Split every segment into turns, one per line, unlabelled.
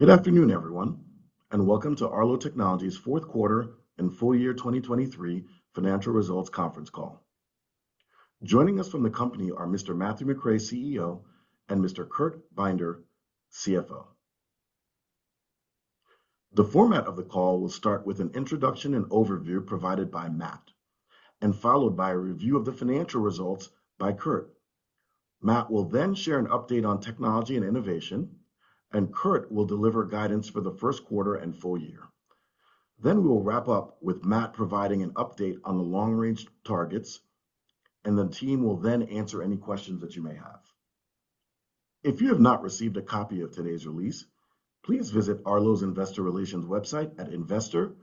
Good afternoon, everyone, and welcome to Arlo Technologies' fourth quarter and full year 2023 financial results conference call. Joining us from the company are Mr. Matthew McRae, CEO, and Mr. Kurt Binder, CFO. The format of the call will start with an introduction and overview provided by Matt, and followed by a review of the financial results by Kurt. Matt will then share an update on technology and innovation, and Kurt will deliver guidance for the first quarter and full year. Then we will wrap up with Matt providing an update on the long-range targets, and the team will then answer any questions that you may have. If you have not received a copy of today's release, please visit Arlo's investor relations website at investor.arlo.com.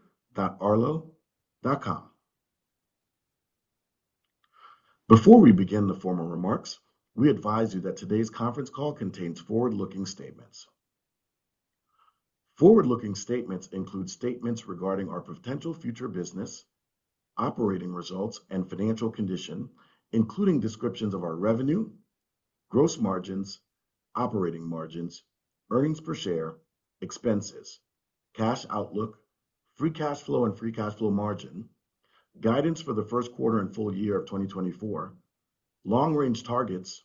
Before we begin the formal remarks, we advise you that today's conference call contains forward-looking statements. Forward-looking statements include statements regarding our potential future business, operating results, and financial condition, including descriptions of our revenue, gross margins, operating margins, earnings per share, expenses, cash outlook, free cash flow and free cash flow margin, guidance for the first quarter and full year of 2024, long-range targets,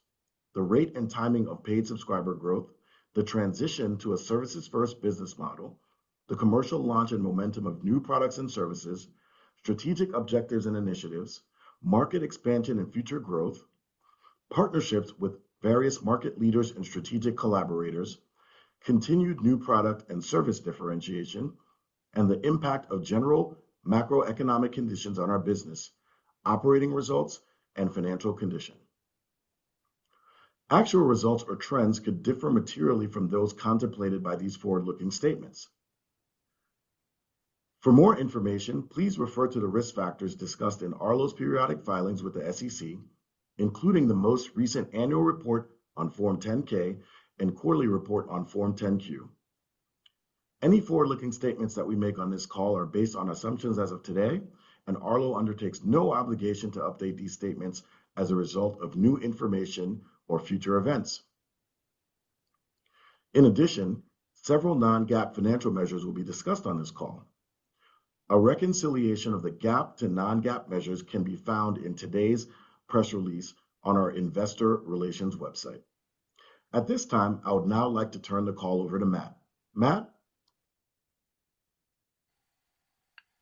the rate and timing of paid subscriber growth, the transition to a services-first business model, the commercial launch and momentum of new products and services, strategic objectives and initiatives, market expansion and future growth, partnerships with various market leaders and strategic collaborators, continued new product and service differentiation, and the impact of general macroeconomic conditions on our business, operating results, and financial condition. Actual results or trends could differ materially from those contemplated by these forward-looking statements. For more information, please refer to the risk factors discussed in Arlo's periodic filings with the SEC, including the most recent annual report on Form 10-K and quarterly report on Form 10-Q. Any forward-looking statements that we make on this call are based on assumptions as of today, and Arlo undertakes no obligation to update these statements as a result of new information or future events. In addition, several non-GAAP financial measures will be discussed on this call. A reconciliation of the GAAP to non-GAAP measures can be found in today's press release on our investor relations website. At this time, I would now like to turn the call over to Matt. Matt?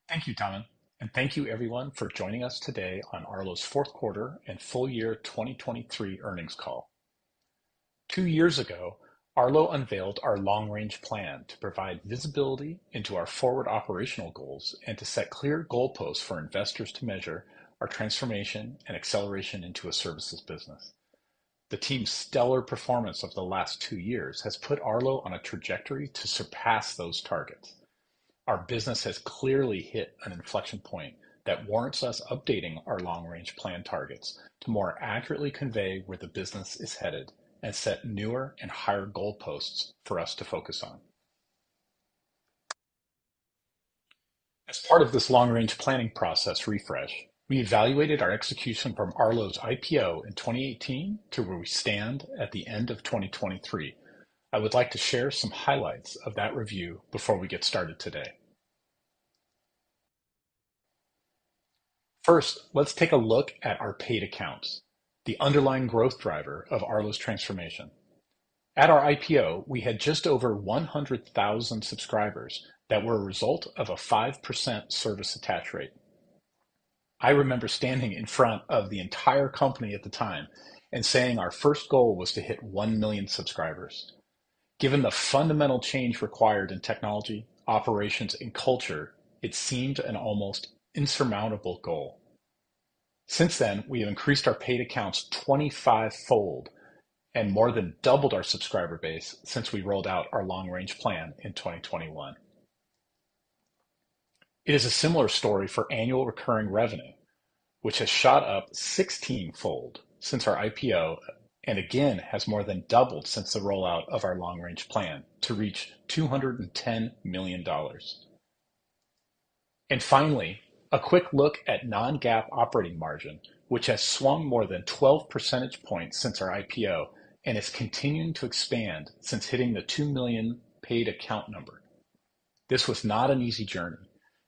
Thank you, Tahmin, and thank you, everyone, for joining us today on Arlo's fourth quarter and full year 2023 earnings call. Two years ago, Arlo unveiled our long-range plan to provide visibility into our forward operational goals and to set clear goalposts for investors to measure our transformation and acceleration into a services business. The team's stellar performance of the last two years has put Arlo on a trajectory to surpass those targets. Our business has clearly hit an inflection point that warrants us updating our long-range plan targets to more accurately convey where the business is headed and set newer and higher goalposts for us to focus on. As part of this long-range planning process refresh, we evaluated our execution from Arlo's IPO in 2018 to where we stand at the end of 2023. I would like to share some highlights of that review before we get started today. First, let's take a look at our paid accounts, the underlying growth driver of Arlo's transformation. At our IPO, we had just over 100,000 subscribers that were a result of a 5% service attach rate. I remember standing in front of the entire company at the time and saying our first goal was to hit 1 million subscribers. Given the fundamental change required in technology, operations, and culture, it seemed an almost insurmountable goal. Since then, we have increased our paid accounts 25-fold and more than doubled our subscriber base since we rolled out our long-range plan in 2021. It is a similar story for annual recurring revenue, which has shot up 16-fold since our IPO and again has more than doubled since the rollout of our long-range plan to reach $210 million. Finally, a quick look at Non-GAAP operating margin, which has swung more than 12 percentage points since our IPO and has continued to expand since hitting the 2 million paid account number. This was not an easy journey.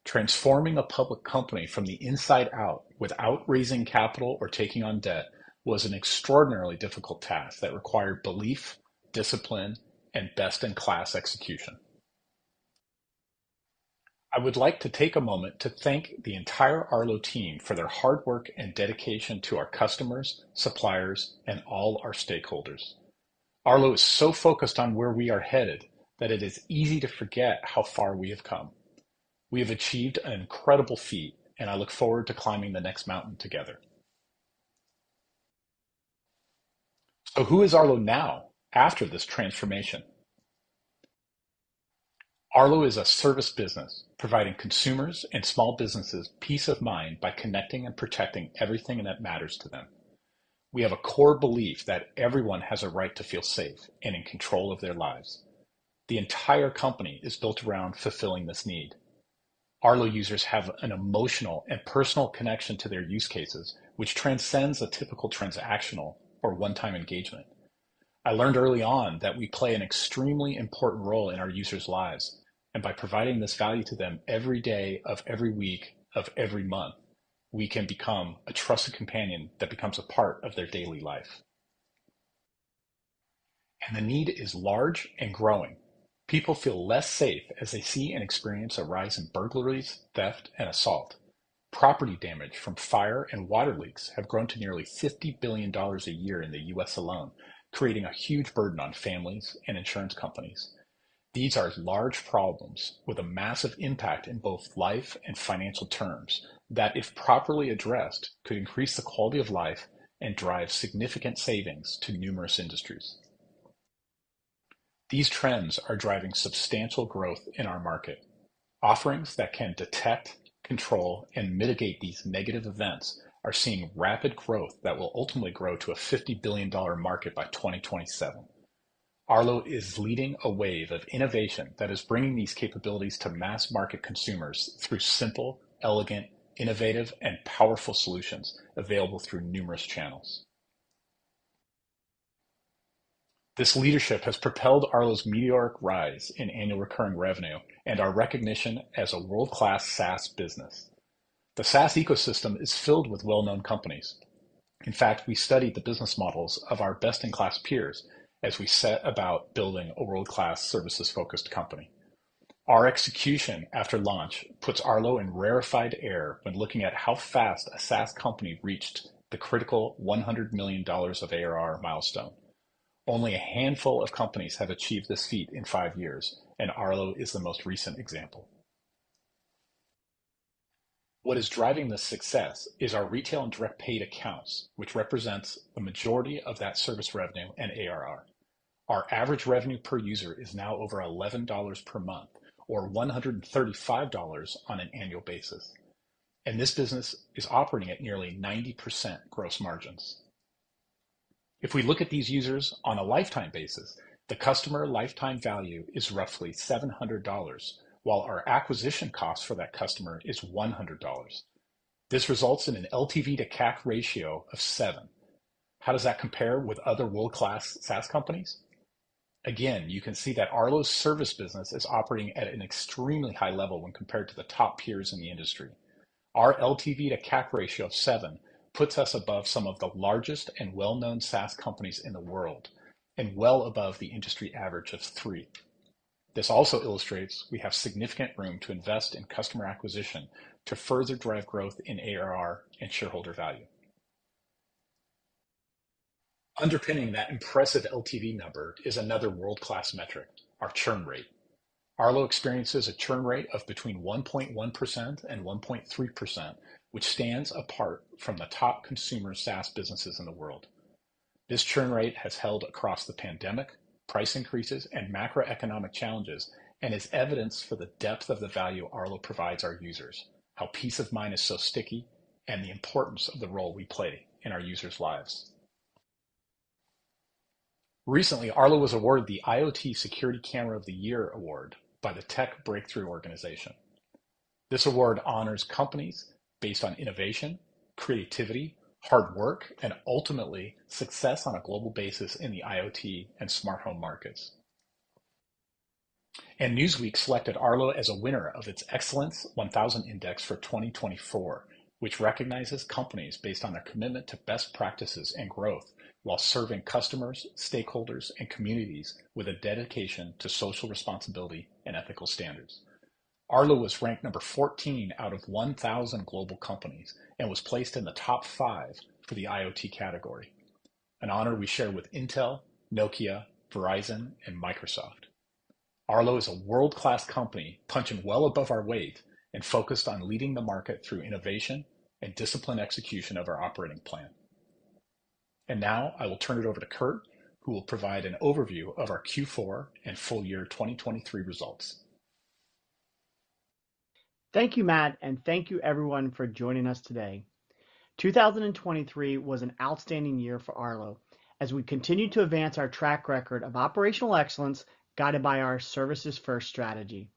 Transforming a public company from the inside out without raising capital or taking on debt was an extraordinarily difficult task that required belief, discipline, and best-in-class execution. I would like to take a moment to thank the entire Arlo team for their hard work and dedication to our customers, suppliers, and all our stakeholders. Arlo is so focused on where we are headed that it is easy to forget how far we have come. We have achieved an incredible feat, and I look forward to climbing the next mountain together. Who is Arlo now after this transformation? Arlo is a service business providing consumers and small businesses peace of mind by connecting and protecting everything that matters to them. We have a core belief that everyone has a right to feel safe and in control of their lives. The entire company is built around fulfilling this need. Arlo users have an emotional and personal connection to their use cases, which transcends a typical transactional or one-time engagement. I learned early on that we play an extremely important role in our users' lives, and by providing this value to them every day of every week of every month, we can become a trusted companion that becomes a part of their daily life. The need is large and growing. People feel less safe as they see and experience a rise in burglaries, theft, and assault. Property damage from fire and water leaks has grown to nearly $50 billion a year in the U.S. alone, creating a huge burden on families and insurance companies. These are large problems with a massive impact in both life and financial terms that, if properly addressed, could increase the quality of life and drive significant savings to numerous industries. These trends are driving substantial growth in our market. Offerings that can detect, control, and mitigate these negative events are seeing rapid growth that will ultimately grow to a $50 billion market by 2027. Arlo is leading a wave of innovation that is bringing these capabilities to mass-market consumers through simple, elegant, innovative, and powerful solutions available through numerous channels. This leadership has propelled Arlo's meteoric rise in annual recurring revenue and our recognition as a world-class SaaS business. The SaaS ecosystem is filled with well-known companies. In fact, we studied the business models of our best-in-class peers as we set about building a world-class services-focused company. Our execution after launch puts Arlo in rarefied air when looking at how fast a SaaS company reached the critical $100 million of ARR milestone. Only a handful of companies have achieved this feat in five years, and Arlo is the most recent example. What is driving this success is our retail and direct paid accounts, which represents the majority of that service revenue and ARR. Our average revenue per user is now over $11 per month or $135 on an annual basis, and this business is operating at nearly 90% gross margins. If we look at these users on a lifetime basis, the customer lifetime value is roughly $700, while our acquisition cost for that customer is $100. This results in an LTV to CAC ratio of 7. How does that compare with other world-class SaaS companies? Again, you can see that Arlo's service business is operating at an extremely high level when compared to the top peers in the industry. Our LTV to CAC ratio of seven puts us above some of the largest and well-known SaaS companies in the world and well above the industry average of three. This also illustrates we have significant room to invest in customer acquisition to further drive growth in ARR and shareholder value. Underpinning that impressive LTV number is another world-class metric, our churn rate. Arlo experiences a churn rate of between 1.1% and 1.3%, which stands apart from the top consumer SaaS businesses in the world. This churn rate has held across the pandemic, price increases, and macroeconomic challenges and is evidence for the depth of the value Arlo provides our users, how peace of mind is so sticky, and the importance of the role we play in our users' lives. Recently, Arlo was awarded the IoT Security Camera of the Year award by the Tech Breakthrough organization. This award honors companies based on innovation, creativity, hard work, and ultimately success on a global basis in the IoT and smart home markets. Newsweek selected Arlo as a winner of its Excellence 1000 Index for 2024, which recognizes companies based on their commitment to best practices and growth while serving customers, stakeholders, and communities with a dedication to social responsibility and ethical standards. Arlo was ranked number 14 out of 1,000 global companies and was placed in the top 5 for the IoT category, an honor we share with Intel, Nokia, Verizon, and Microsoft. Arlo is a world-class company punching well above our weight and focused on leading the market through innovation and disciplined execution of our operating plan. Now I will turn it over to Kurt, who will provide an overview of our Q4 and full year 2023 results.
Thank you, Matt, and thank you, everyone, for joining us today. 2023 was an outstanding year for Arlo as we continue to advance our track record of operational excellence guided by our services-first strategy.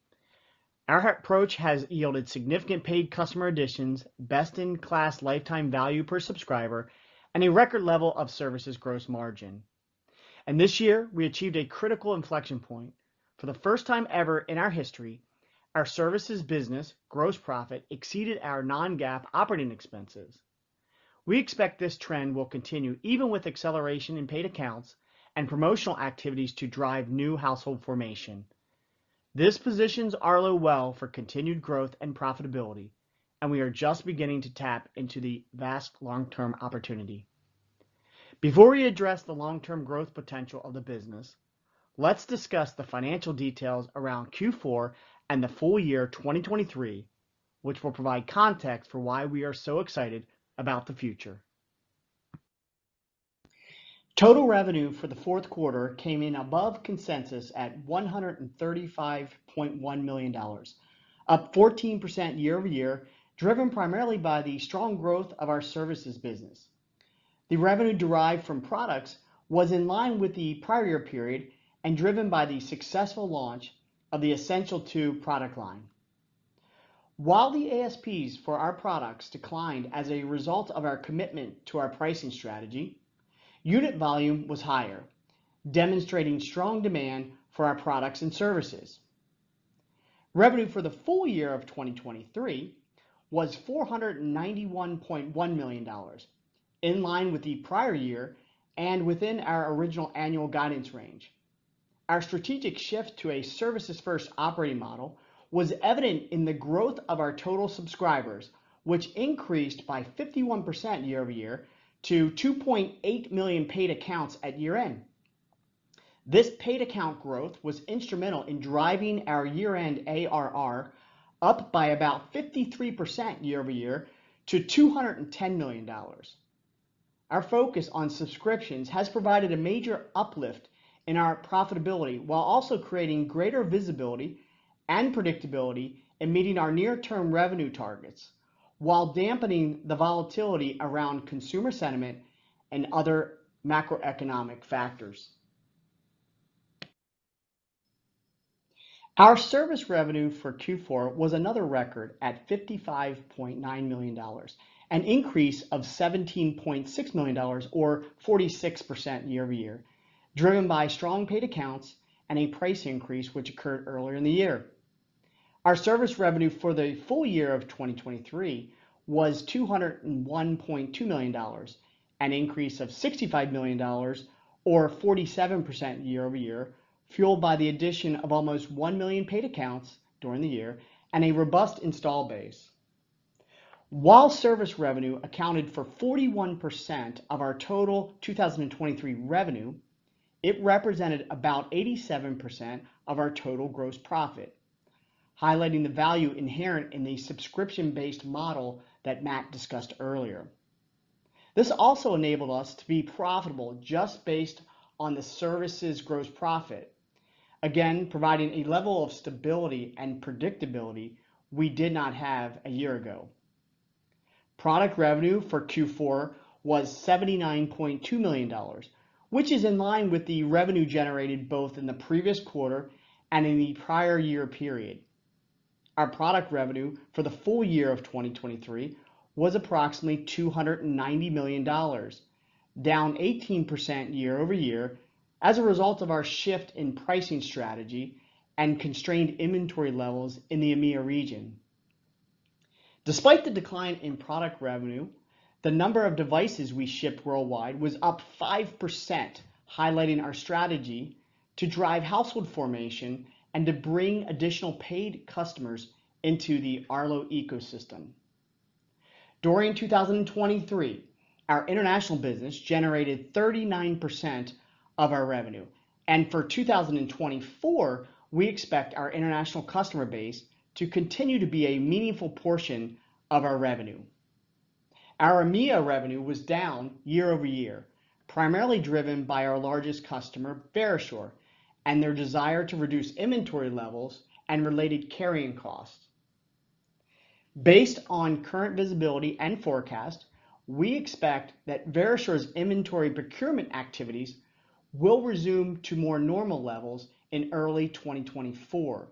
Our approach has yielded significant paid customer additions, best-in-class lifetime value per subscriber, and a record level of services gross margin. This year, we achieved a critical inflection point. For the first time ever in our history, our services business gross profit exceeded our non-GAAP operating expenses. We expect this trend will continue even with acceleration in paid accounts and promotional activities to drive new household formation. This positions Arlo well for continued growth and profitability, and we are just beginning to tap into the vast long-term opportunity. Before we address the long-term growth potential of the business, let's discuss the financial details around Q4 and the full year 2023, which will provide context for why we are so excited about the future. Total revenue for the fourth quarter came in above consensus at $135.1 million, up 14% year-over-year, driven primarily by the strong growth of our services business. The revenue derived from products was in line with the prior year period and driven by the successful launch of the Essential 2 product line. While the ASPs for our products declined as a result of our commitment to our pricing strategy, unit volume was higher, demonstrating strong demand for our products and services. Revenue for the full year of 2023 was $491.1 million, in line with the prior year and within our original annual guidance range. Our strategic shift to a services-first operating model was evident in the growth of our total subscribers, which increased by 51% year-over-year to 2.8 million paid accounts at year-end. This paid account growth was instrumental in driving our year-end ARR up by about 53% year-over-year to $210 million. Our focus on subscriptions has provided a major uplift in our profitability while also creating greater visibility and predictability in meeting our near-term revenue targets, while dampening the volatility around consumer sentiment and other macroeconomic factors. Our service revenue for Q4 was another record at $55.9 million, an increase of $17.6 million or 46% year-over-year, driven by strong paid accounts and a price increase which occurred earlier in the year. Our service revenue for the full year of 2023 was $201.2 million, an increase of $65 million or 47% year-over-year, fueled by the addition of almost one million paid accounts during the year and a robust install base. While service revenue accounted for 41% of our total 2023 revenue, it represented about 87% of our total gross profit, highlighting the value inherent in the subscription-based model that Matt discussed earlier. This also enabled us to be profitable just based on the services gross profit, again providing a level of stability and predictability we did not have a year ago. Product revenue for Q4 was $79.2 million, which is in line with the revenue generated both in the previous quarter and in the prior year period. Our product revenue for the full year of 2023 was approximately $290 million, down 18% year-over-year as a result of our shift in pricing strategy and constrained inventory levels in the EMEA region. Despite the decline in product revenue, the number of devices we shipped worldwide was up 5%, highlighting our strategy to drive household formation and to bring additional paid customers into the Arlo ecosystem. During 2023, our international business generated 39% of our revenue, and for 2024, we expect our international customer base to continue to be a meaningful portion of our revenue. Our EMEA revenue was down year-over-year, primarily driven by our largest customer, Verisure, and their desire to reduce inventory levels and related carrying costs. Based on current visibility and forecast, we expect that Verisure's inventory procurement activities will resume to more normal levels in early 2024.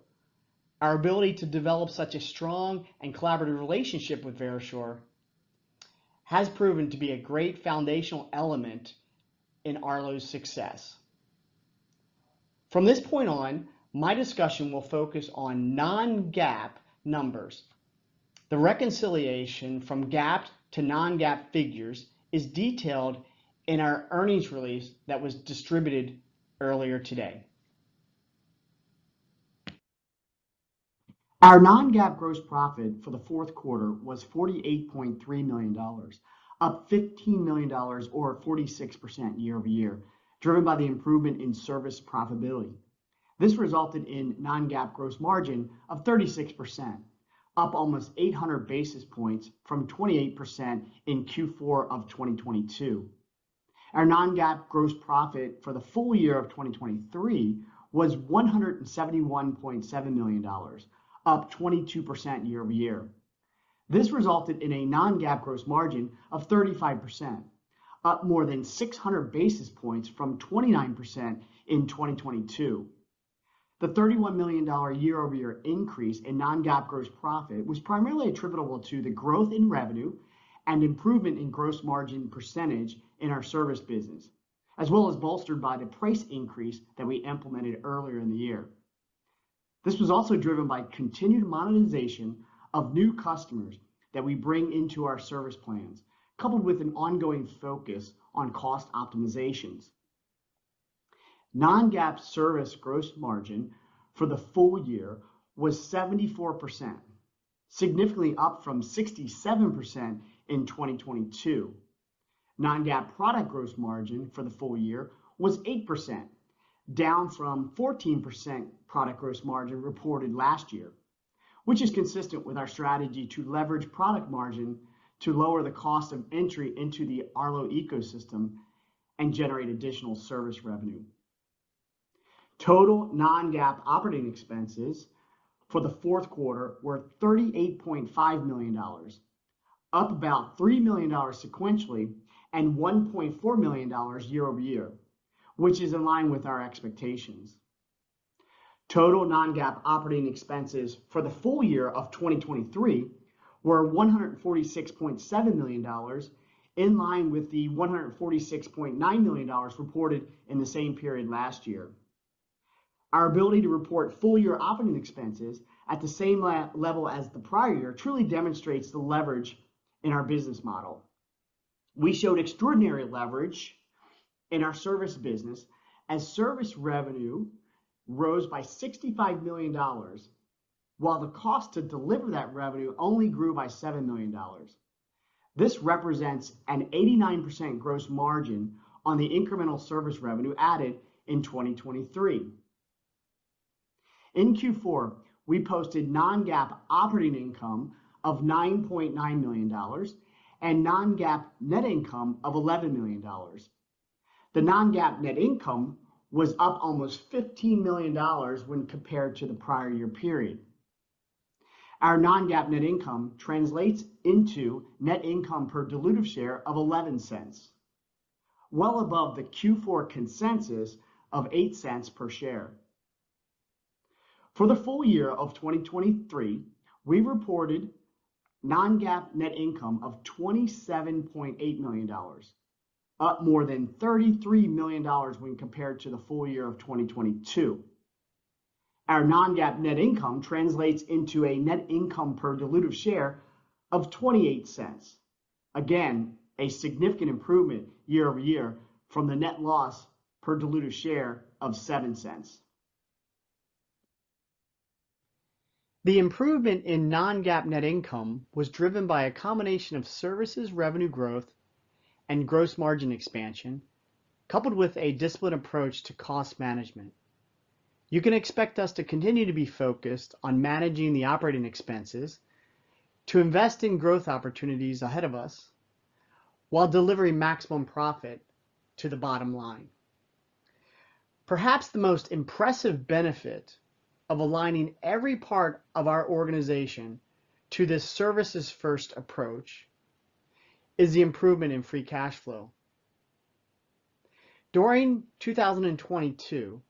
Our ability to develop such a strong and collaborative relationship with Verisure has proven to be a great foundational element in Arlo's success. From this point on, my discussion will focus on non-GAAP numbers. The reconciliation from GAAP to non-GAAP figures is detailed in our earnings release that was distributed earlier today. Our non-GAAP gross profit for the fourth quarter was $48.3 million, up $15 million or 46% year-over-year, driven by the improvement in service profitability. This resulted in non-GAAP gross margin of 36%, up almost 800 basis points from 28% in Q4 of 2022. Our non-GAAP gross profit for the full year of 2023 was $171.7 million, up 22% year-over-year. This resulted in a non-GAAP gross margin of 35%, up more than 600 basis points from 29% in 2022. The $31 million year-over-year increase in non-GAAP gross profit was primarily attributable to the growth in revenue and improvement in gross margin percentage in our service business, as well as bolstered by the price increase that we implemented earlier in the year. This was also driven by continued monetization of new customers that we bring into our service plans, coupled with an ongoing focus on cost optimizations. Non-GAAP service gross margin for the full year was 74%, significantly up from 67% in 2022. Non-GAAP product gross margin for the full year was 8%, down from 14% product gross margin reported last year, which is consistent with our strategy to leverage product margin to lower the cost of entry into the Arlo ecosystem and generate additional service revenue. Total non-GAAP operating expenses for the fourth quarter were $38.5 million, up about $3 million sequentially and $1.4 million year-over-year, which is in line with our expectations. Total non-GAAP operating expenses for the full year of 2023 were $146.7 million, in line with the $146.9 million reported in the same period last year. Our ability to report full-year operating expenses at the same level as the prior year truly demonstrates the leverage in our business model. We showed extraordinary leverage in our service business as service revenue rose by $65 million, while the cost to deliver that revenue only grew by $7 million. This represents an 89% gross margin on the incremental service revenue added in 2023. In Q4, we posted non-GAAP operating income of $9.9 million and non-GAAP net income of $11 million. The non-GAAP net income was up almost $15 million when compared to the prior year period. Our non-GAAP net income translates into net income per diluted share of $0.11, well above the Q4 consensus of $0.08 per share. For the full year of 2023, we reported non-GAAP net income of $27.8 million, up more than $33 million when compared to the full year of 2022. Our non-GAAP net income translates into a net income per diluted share of $0.28, again a significant improvement year-over-year from the net loss per diluted share of $0.07. The improvement in non-GAAP net income was driven by a combination of services revenue growth and gross margin expansion, coupled with a disciplined approach to cost management. You can expect us to continue to be focused on managing the operating expenses, to invest in growth opportunities ahead of us, while delivering maximum profit to the bottom line. Perhaps the most impressive benefit of aligning every part of our organization to this services-first approach is the improvement in free cash flow. During 2022,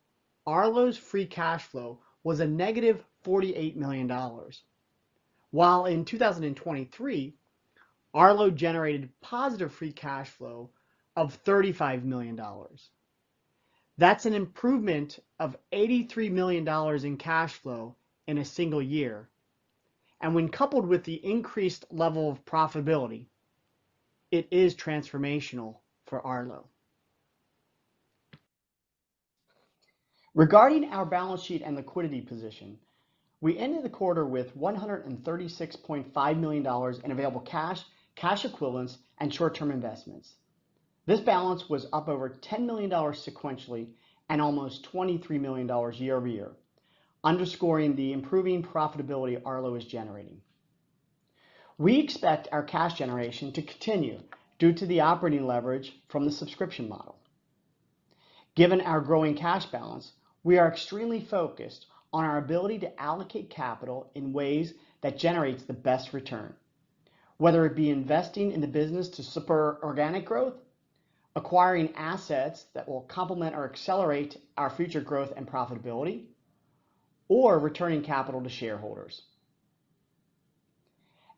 Arlo's free cash flow was a negative $48 million, while in 2023, Arlo generated positive free cash flow of $35 million. That's an improvement of $83 million in cash flow in a single year, and when coupled with the increased level of profitability, it is transformational for Arlo. Regarding our balance sheet and liquidity position, we ended the quarter with $136.5 million in available cash, cash equivalents, and short-term investments. This balance was up over $10 million sequentially and almost $23 million year-over-year, underscoring the improving profitability Arlo is generating. We expect our cash generation to continue due to the operating leverage from the subscription model. Given our growing cash balance, we are extremely focused on our ability to allocate capital in ways that generate the best return, whether it be investing in the business to support organic growth, acquiring assets that will complement or accelerate our future growth and profitability, or returning capital to shareholders.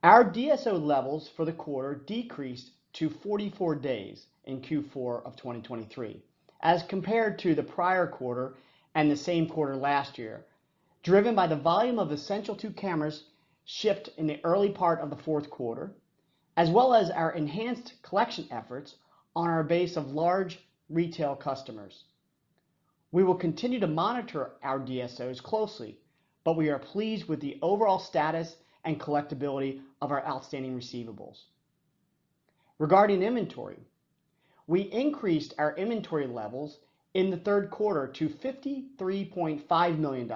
Our DSO levels for the quarter decreased to 44 days in Q4 of 2023 as compared to the prior quarter and the same quarter last year, driven by the volume of Essential 2 cameras shipped in the early part of the fourth quarter, as well as our enhanced collection efforts on our base of large retail customers. We will continue to monitor our DSOs closely, but we are pleased with the overall status and collectibility of our outstanding receivables. Regarding inventory, we increased our inventory levels in the third quarter to $53.5 million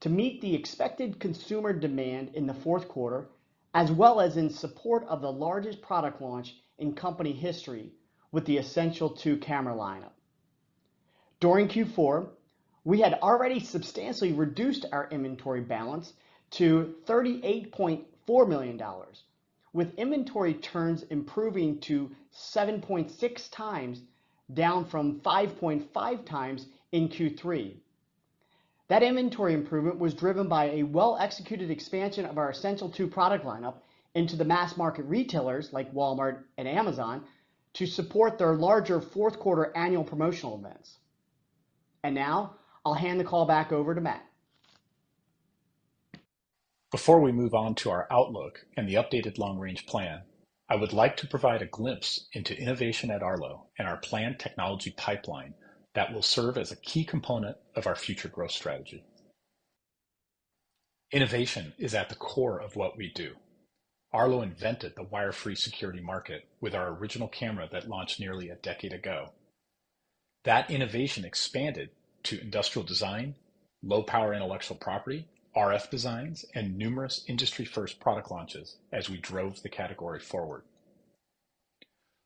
to meet the expected consumer demand in the fourth quarter, as well as in support of the largest product launch in company history with the Essential 2 camera lineup. During Q4, we had already substantially reduced our inventory balance to $38.4 million, with inventory turns improving to 7.6x, down from 5.5x in Q3. That inventory improvement was driven by a well-executed expansion of our Essential 2 product lineup into the mass market retailers like Walmart and Amazon to support their larger fourth-quarter annual promotional events. Now I'll hand the call back over to Matt.
Before we move on to our outlook and the updated long-range plan, I would like to provide a glimpse into innovation at Arlo and our planned technology pipeline that will serve as a key component of our future growth strategy. Innovation is at the core of what we do. Arlo invented the wire-free security market with our original camera that launched nearly a decade ago. That innovation expanded to industrial design, low-power intellectual property, RF designs, and numerous industry-first product launches as we drove the category forward.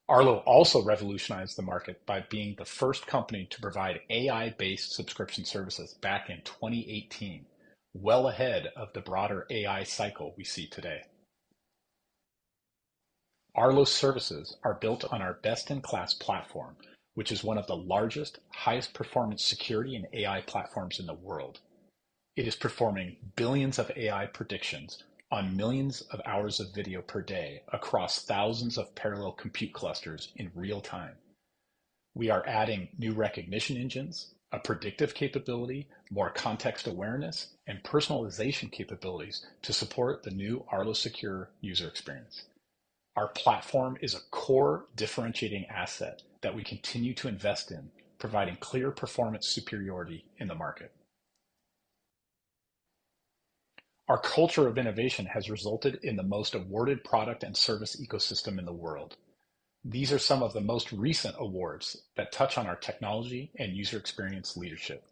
Arlo also revolutionized the market by being the first company to provide AI-based subscription services back in 2018, well ahead of the broader AI cycle we see today. Arlo's services are built on our best-in-class platform, which is one of the largest, highest-performance security and AI platforms in the world. It is performing billions of AI predictions on millions of hours of video per day across thousands of parallel compute clusters in real time. We are adding new recognition engines, a predictive capability, more context awareness, and personalization capabilities to support the new Arlo Secure user experience. Our platform is a core differentiating asset that we continue to invest in, providing clear performance superiority in the market. Our culture of innovation has resulted in the most awarded product and service ecosystem in the world. These are some of the most recent awards that touch on our technology and user experience leadership.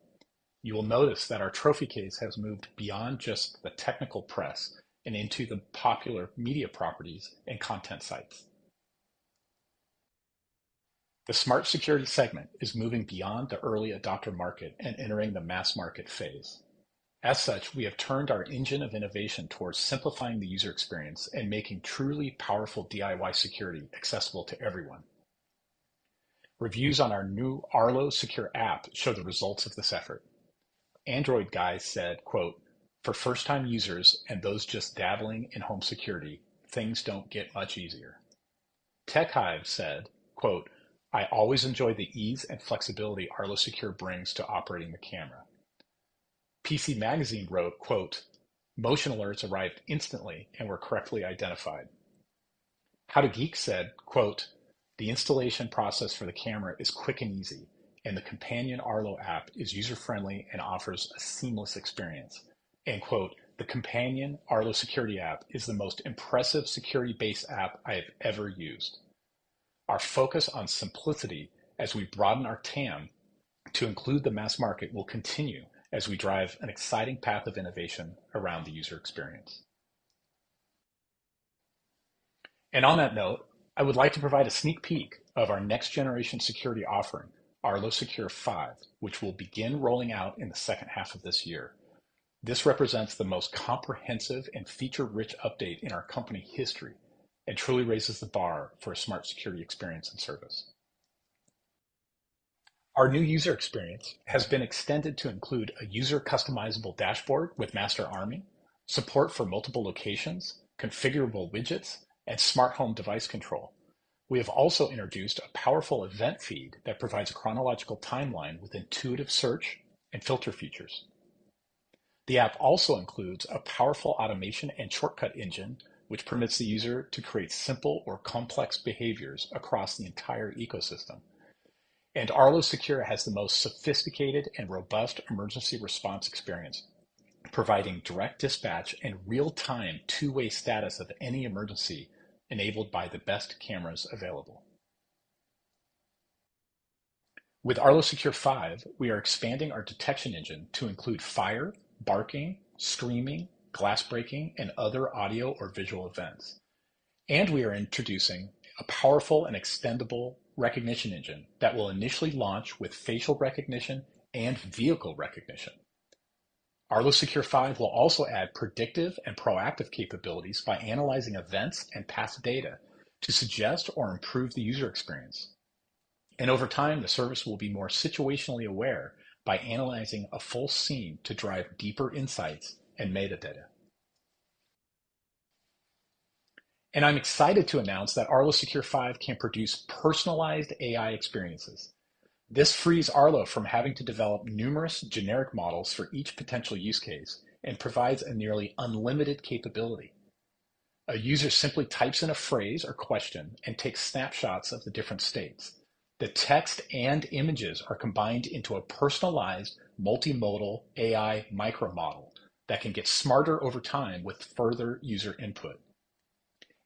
You will notice that our trophy case has moved beyond just the technical press and into the popular media properties and content sites. The smart security segment is moving beyond the early adopter market and entering the mass market phase. As such, we have turned our engine of innovation towards simplifying the user experience and making truly powerful DIY security accessible to everyone. Reviews on our new Arlo Secure app show the results of this effort. AndroidGuys said, "For first-time users and those just dabbling in home security, things don't get much easier." TechHive said, "I always enjoy the ease and flexibility Arlo Secure brings to operating the camera." PC Magazine wrote, "Motion alerts arrived instantly and were correctly identified." How-To Geek said, "The installation process for the camera is quick and easy, and the companion Arlo app is user-friendly and offers a seamless experience." The companion Arlo Security app is the most impressive security-based app I have ever used. Our focus on simplicity as we broaden our TAM to include the mass market will continue as we drive an exciting path of innovation around the user experience. On that note, I would like to provide a sneak peek of our next-generation security offering, Arlo Secure 5, which will begin rolling out in the second half of this year. This represents the most comprehensive and feature-rich update in our company history and truly raises the bar for a smart security experience and service. Our new user experience has been extended to include a user-customizable dashboard with master arming, support for multiple locations, configurable widgets, and smart home device control. We have also introduced a powerful event feed that provides a chronological timeline with intuitive search and filter features. The app also includes a powerful automation and shortcut engine, which permits the user to create simple or complex behaviors across the entire ecosystem. Arlo Secure has the most sophisticated and robust emergency response experience, providing direct dispatch and real-time two-way status of any emergency enabled by the best cameras available. With Arlo Secure 5, we are expanding our detection engine to include fire, barking, screaming, glass breaking, and other audio or visual events. We are introducing a powerful and extendable recognition engine that will initially launch with facial recognition and vehicle recognition. Arlo Secure 5 will also add predictive and proactive capabilities by analyzing events and past data to suggest or improve the user experience. Over time, the service will be more situationally aware by analyzing a full scene to drive deeper insights and metadata. I'm excited to announce that Arlo Secure 5 can produce personalized AI experiences. This frees Arlo from having to develop numerous generic models for each potential use case and provides a nearly unlimited capability. A user simply types in a phrase or question and takes snapshots of the different states. The text and images are combined into a personalized multimodal AI micro-model that can get smarter over time with further user input.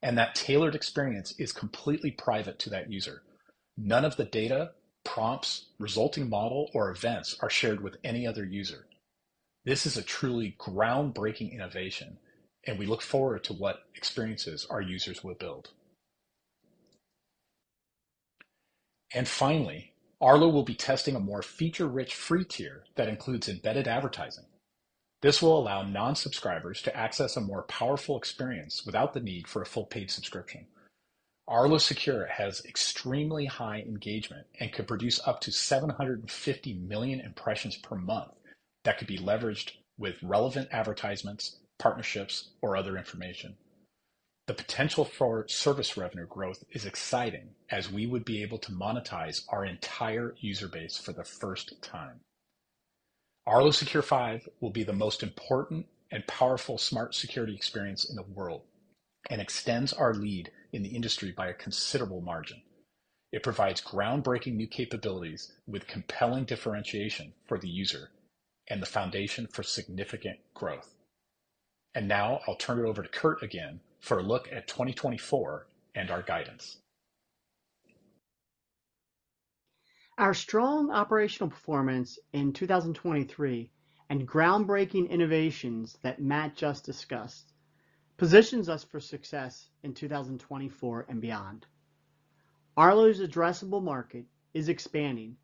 That tailored experience is completely private to that user. None of the data, prompts, resulting model, or events are shared with any other user. This is a truly groundbreaking innovation, and we look forward to what experiences our users will build. Finally, Arlo will be testing a more feature-rich free tier that includes embedded advertising. This will allow non-subscribers to access a more powerful experience without the need for a full-paid subscription. Arlo Secure has extremely high engagement and could produce up to 750 million impressions per month that could be leveraged with relevant advertisements, partnerships, or other information. The potential for service revenue growth is exciting as we would be able to monetize our entire user base for the first time. Arlo Secure 5 will be the most important and powerful smart security experience in the world and extends our lead in the industry by a considerable margin. It provides groundbreaking new capabilities with compelling differentiation for the user and the foundation for significant growth. Now I'll turn it over to Kurt again for a look at 2024 and our guidance.
Our strong operational performance in 2023 and groundbreaking innovations that Matt just discussed positions us for success in 2024 and beyond. Arlo's addressable market is expanding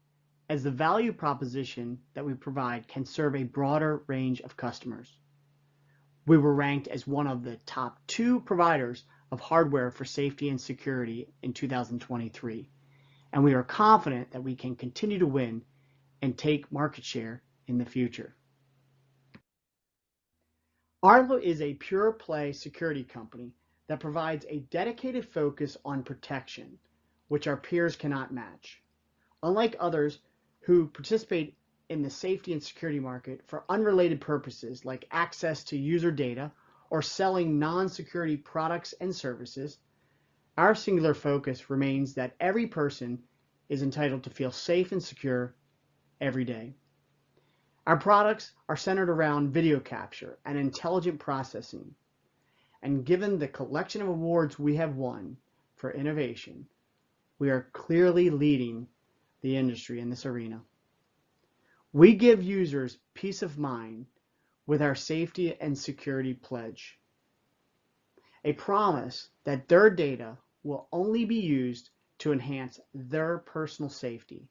as the value proposition that we provide can serve a broader range of customers. We were ranked as one of the top two providers of hardware for safety and security in 2023, and we are confident that we can continue to win and take market share in the future. Arlo is a pure-play security company that provides a dedicated focus on protection, which our peers cannot match. Unlike others who participate in the safety and security market for unrelated purposes like access to user data or selling non-security products and services, our singular focus remains that every person is entitled to feel safe and secure every day. Our products are centered around video capture and intelligent processing, and given the collection of awards we have won for innovation, we are clearly leading the industry in this arena. We give users peace of mind with our safety and security pledge, a promise that their data will only be used to enhance their personal safety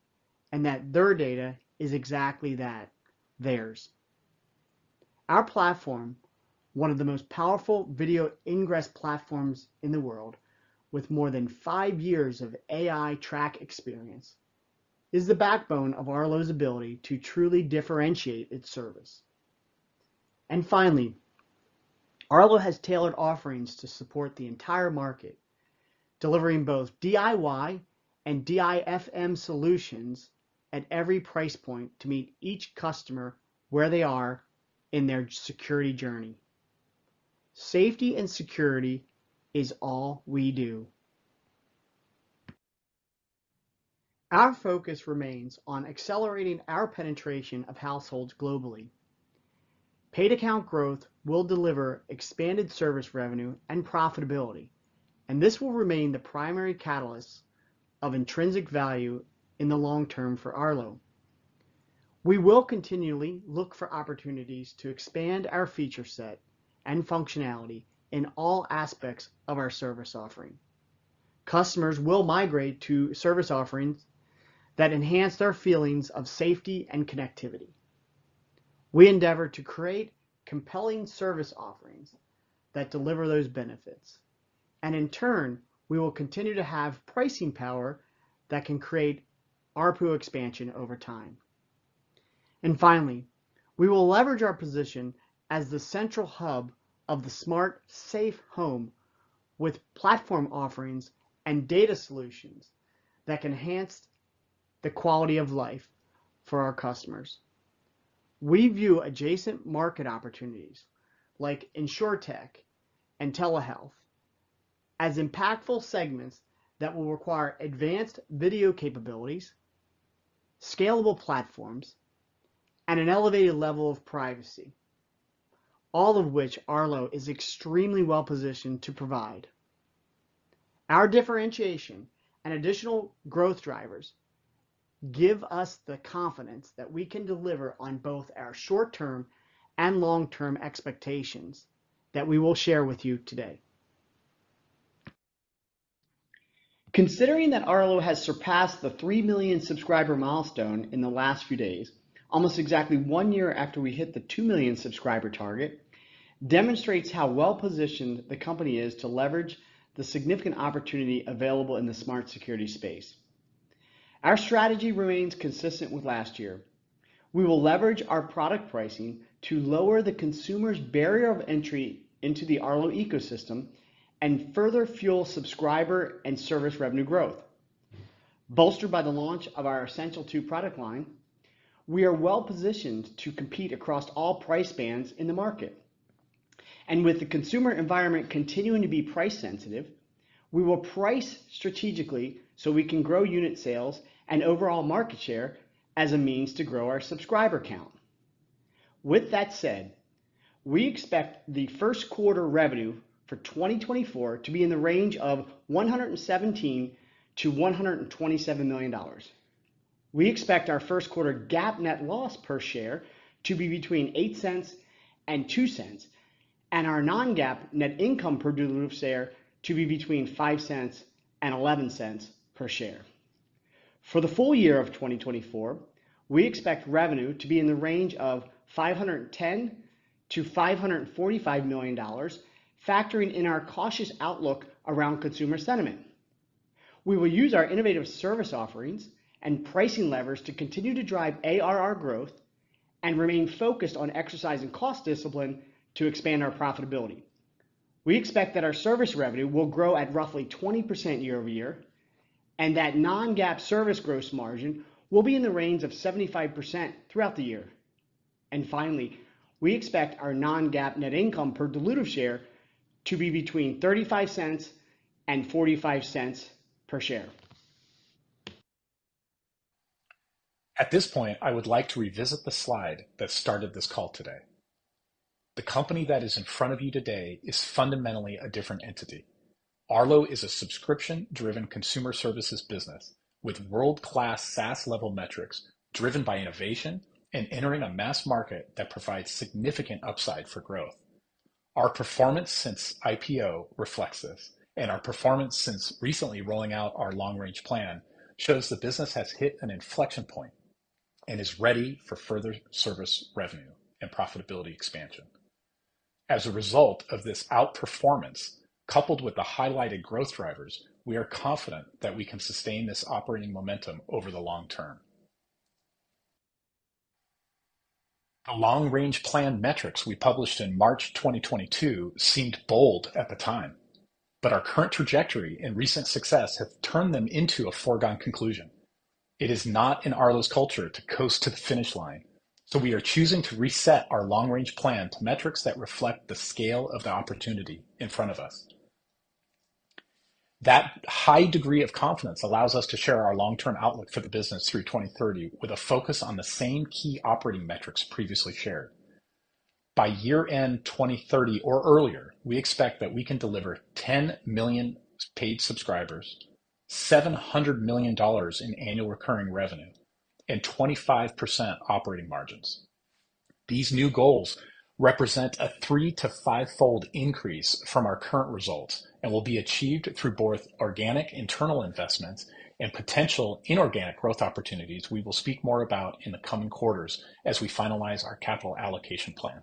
and that their data is exactly that, theirs. Our platform, one of the most powerful video ingress platforms in the world with more than five years of AI track experience, is the backbone of Arlo's ability to truly differentiate its service. Finally, Arlo has tailored offerings to support the entire market, delivering both DIY and DIFM solutions at every price point to meet each customer where they are in their security journey. Safety and security is all we do. Our focus remains on accelerating our penetration of households globally. Paid account growth will deliver expanded service revenue and profitability, and this will remain the primary catalyst of intrinsic value in the long term for Arlo. We will continually look for opportunities to expand our feature set and functionality in all aspects of our service offering. Customers will migrate to service offerings that enhance their feelings of safety and connectivity. We endeavor to create compelling service offerings that deliver those benefits, and in turn, we will continue to have pricing power that can create ARPU expansion over time. And finally, we will leverage our position as the central hub of the smart, safe home with platform offerings and data solutions that can enhance the quality of life for our customers. We view adjacent market opportunities like insurtech and telehealth as impactful segments that will require advanced video capabilities, scalable platforms, and an elevated level of privacy, all of which Arlo is extremely well-positioned to provide. Our differentiation and additional growth drivers give us the confidence that we can deliver on both our short-term and long-term expectations that we will share with you today. Considering that Arlo has surpassed the 3 million subscriber milestone in the last few days, almost exactly one year after we hit the 2 million subscriber target, demonstrates how well-positioned the company is to leverage the significant opportunity available in the smart security space. Our strategy remains consistent with last year. We will leverage our product pricing to lower the consumer's barrier of entry into the Arlo ecosystem and further fuel subscriber and service revenue growth. Bolstered by the launch of our Essential 2 product line, we are well-positioned to compete across all price bands in the market. With the consumer environment continuing to be price-sensitive, we will price strategically so we can grow unit sales and overall market share as a means to grow our subscriber count. With that said, we expect the first quarter revenue for 2024 to be in the range of $117 million-$127 million. We expect our first quarter GAAP net loss per share to be between $0.08 and $0.02, and our non-GAAP net income per diluted share to be between $0.05 and $0.11 per share. For the full year of 2024, we expect revenue to be in the range of $510 million-$545 million, factoring in our cautious outlook around consumer sentiment. We will use our innovative service offerings and pricing levers to continue to drive ARR growth and remain focused on exercising cost discipline to expand our profitability. We expect that our service revenue will grow at roughly 20% year-over-year, and that non-GAAP service growth margin will be in the range of 75% throughout the year. Finally, we expect our non-GAAP net income per diluted share to be between $0.35 and $0.45 per share.
At this point, I would like to revisit the slide that started this call today. The company that is in front of you today is fundamentally a different entity. Arlo is a subscription-driven consumer services business with world-class SaaS-level metrics driven by innovation and entering a mass market that provides significant upside for growth. Our performance since IPO reflects this, and our performance since recently rolling out our long-range plan shows the business has hit an inflection point and is ready for further service revenue and profitability expansion. As a result of this outperformance coupled with the highlighted growth drivers, we are confident that we can sustain this operating momentum over the long term. The long-range plan metrics we published in March 2022 seemed bold at the time, but our current trajectory and recent success have turned them into a foregone conclusion. It is not in Arlo's culture to coast to the finish line, so we are choosing to reset our long-range plan to metrics that reflect the scale of the opportunity in front of us. That high degree of confidence allows us to share our long-term outlook for the business through 2030 with a focus on the same key operating metrics previously shared. By year-end 2030 or earlier, we expect that we can deliver 10 million paid subscribers, $700 million in annual recurring revenue, and 25% operating margins. These new goals represent a 3- to 5-fold increase from our current results and will be achieved through both organic internal investments and potential inorganic growth opportunities we will speak more about in the coming quarters as we finalize our capital allocation plan.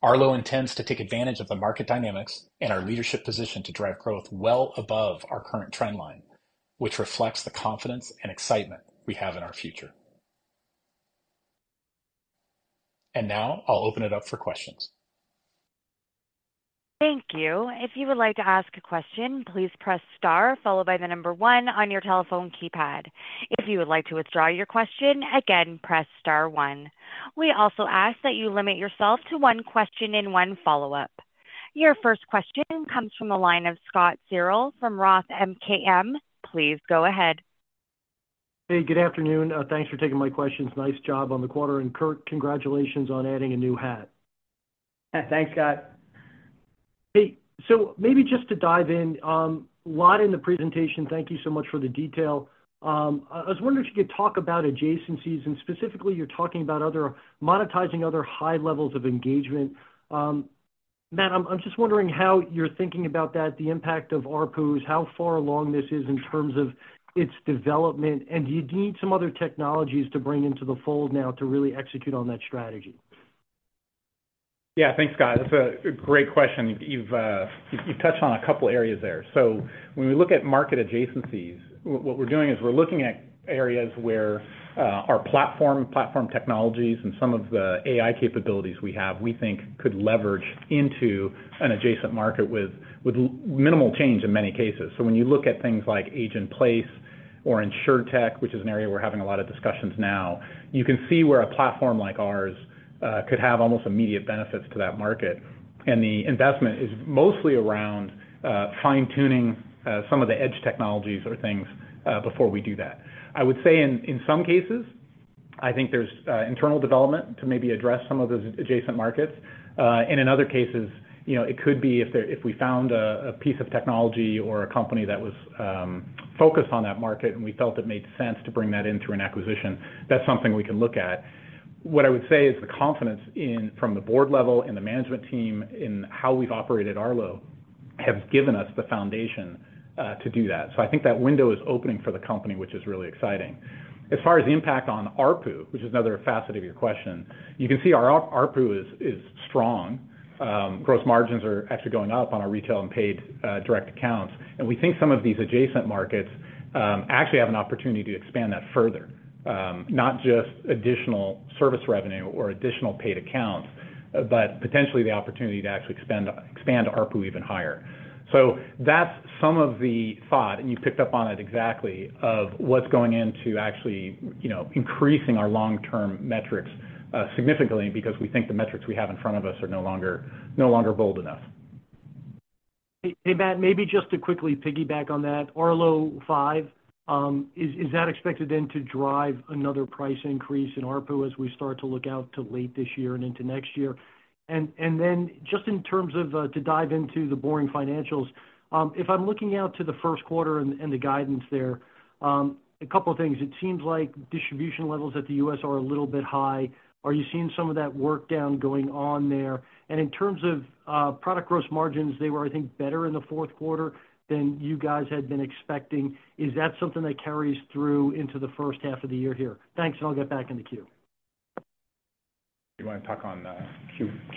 Arlo intends to take advantage of the market dynamics and our leadership position to drive growth well above our current trendline, which reflects the confidence and excitement we have in our future. Now I'll open it up for questions.
Thank you. If you would like to ask a question, please press star followed by the number one on your telephone keypad. If you would like to withdraw your question, again, press star one. We also ask that you limit yourself to one question and one follow-up. Your first question comes from the line of Scott Searle from Roth MKM. Please go ahead.
Hey, good afternoon. Thanks for taking my questions. Nice job on the quarter, and Kurt, congratulations on adding a new hat. Thanks, Scott. Hey, so maybe just to dive in, a lot in the presentation, thank you so much for the detail. I was wondering if you could talk about adjacencies, and specifically, you're talking about monetizing other high levels of engagement. Matt, I'm just wondering how you're thinking about that, the impact of ARPUs, how far along this is in terms of its development, and do you need some other technologies to bring into the fold now to really execute on that strategy?
Yeah, thanks, Scott. That's a great question. You've touched on a couple areas there. When we look at market adjacencies, what we're doing is we're looking at areas where our platform, platform technologies, and some of the AI capabilities we have, we think, could leverage into an adjacent market with minimal change in many cases. When you look at things like age in place or insurtech, which is an area we're having a lot of discussions now, you can see where a platform like ours could have almost immediate benefits to that market. The investment is mostly around fine-tuning some of the edge technologies or things before we do that. I would say in some cases, I think there's internal development to maybe address some of those adjacent markets. And in other cases, it could be if we found a piece of technology or a company that was focused on that market and we felt it made sense to bring that in through an acquisition, that's something we can look at. What I would say is the confidence from the board level, in the management team, in how we've operated Arlo has given us the foundation to do that. So I think that window is opening for the company, which is really exciting. As far as the impact on ARPU, which is another facet of your question, you can see our ARPU is strong. Gross margins are actually going up on our retail and paid direct accounts. We think some of these adjacent markets actually have an opportunity to expand that further, not just additional service revenue or additional paid accounts, but potentially the opportunity to actually expand ARPU even higher. So that's some of the thought, and you picked up on it exactly, of what's going into actually increasing our long-term metrics significantly because we think the metrics we have in front of us are no longer bold enough.
Hey, Matt, maybe just to quickly piggyback on that, Arlo 5, is that expected then to drive another price increase in ARPU as we start to look out to late this year and into next year? And then just in terms of to dive into the boring financials, if I'm looking out to the first quarter and the guidance there, a couple of things. It seems like distribution levels at the U.S. are a little bit high. Are you seeing some of that workdown going on there? And in terms of product gross margins, they were, I think, better in the fourth quarter than you guys had been expecting. Is that something that carries through into the first half of the year here? Thanks, and I'll get back in the queue.
Do you want to tack on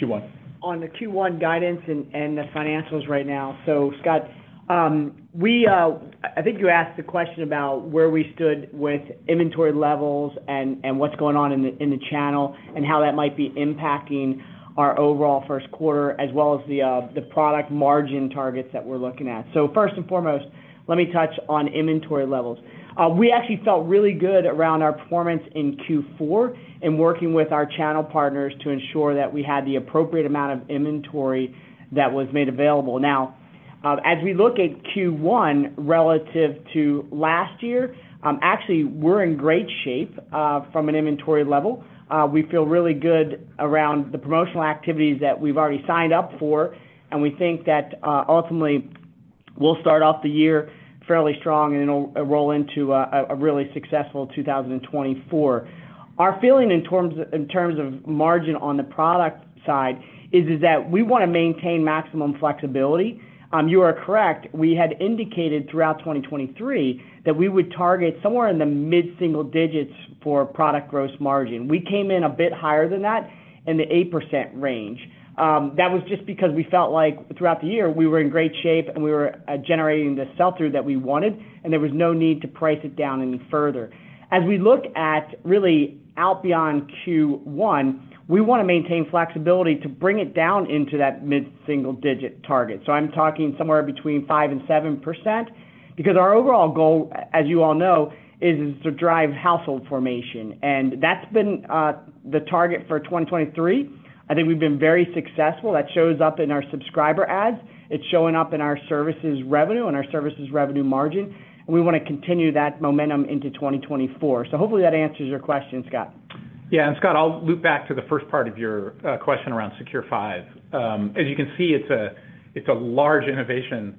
Q1?
On the Q1 guidance and the financials right now. So, Scott, I think you asked the question about where we stood with inventory levels and what's going on in the channel and how that might be impacting our overall first quarter as well as the product margin targets that we're looking at. So first and foremost, let me touch on inventory levels. We actually felt really good around our performance in Q4 and working with our channel partners to ensure that we had the appropriate amount of inventory that was made available. Now, as we look at Q1 relative to last year, actually, we're in great shape from an inventory level. We feel really good around the promotional activities that we've already signed up for, and we think that ultimately, we'll start off the year fairly strong and roll into a really successful 2024. Our feeling in terms of margin on the product side is that we want to maintain maximum flexibility. You are correct. We had indicated throughout 2023 that we would target somewhere in the mid-single digits for product gross margin. We came in a bit higher than that, in the 8% range. That was just because we felt like throughout the year, we were in great shape and we were generating the sell-through that we wanted, and there was no need to price it down any further. As we look at really out beyond Q1, we want to maintain flexibility to bring it down into that mid-single digit target. So I'm talking somewhere between 5%-7% because our overall goal, as you all know, is to drive household formation, and that's been the target for 2023. I think we've been very successful. That shows up in our subscriber ads. It's showing up in our services revenue and our services revenue margin, and we want to continue that momentum into 2024. So hopefully, that answers your question, Scott.
Yeah, and Scott, I'll loop back to the first part of your question around Secure 5. As you can see, it's a large innovation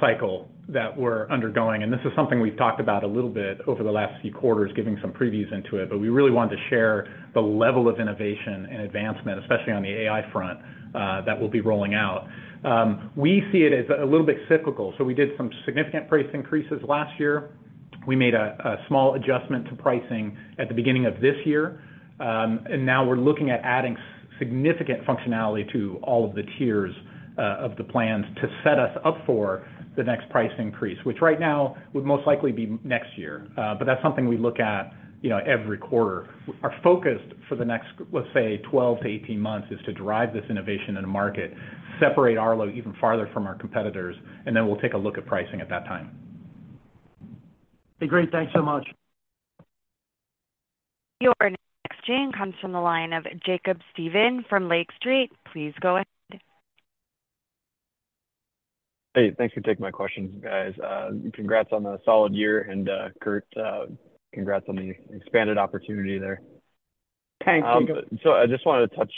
cycle that we're undergoing, and this is something we've talked about a little bit over the last few quarters, giving some previews into it, but we really wanted to share the level of innovation and advancement, especially on the AI front, that will be rolling out. We see it as a little bit cyclical. So we did some significant price increases last year. We made a small adjustment to pricing at the beginning of this year, and now we're looking at adding significant functionality to all of the tiers of the plans to set us up for the next price increase, which right now would most likely be next year. But that's something we look at every quarter. Our focus for the next, let's say, 12-18 months is to drive this innovation in the market, separate Arlo even farther from our competitors, and then we'll take a look at pricing at that time.
Hey, great. Thanks so much.
Your next question comes from the line of Jacob Stephan from Lake Street. Please go ahead.
Hey, thanks for taking my questions, guys. Congrats on the solid year, and Kurt, congrats on the expanded opportunity there. Thanks, Jacob. I just wanted to touch